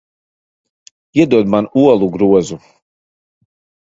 Iedod man olu grozu.